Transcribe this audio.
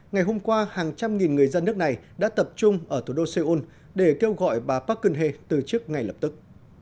ngày hôm qua hàng trăm nghìn người dân nước này đã tập trung ở thủ đô seoul để kêu gọi bà park geun hye từ chức ngay lập tức